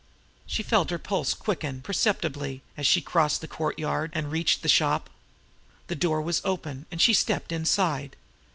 She felt her pulse quicken perceptibly as she crossed the courtyard, and reached the shop. The door was open, and she stepped inside.